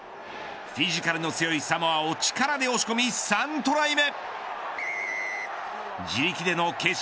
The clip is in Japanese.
フィジカルの強いサモアを力で押し込み３トライ目。